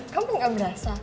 kamu gak berasa